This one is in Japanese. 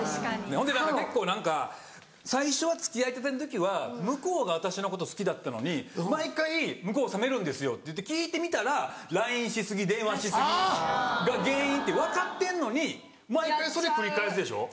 ほんで結構何か「最初は付き合いたての時は向こうが私のこと好きだったのに毎回向こう冷めるんですよ」って言って聞いてみたらＬＩＮＥし過ぎ電話し過ぎが原因って分かってんのに毎回それ繰り返すでしょ？